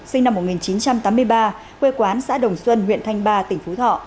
sinh năm một nghìn chín trăm tám mươi ba quê quán xã đồng xuân huyện thanh ba tỉnh phú thọ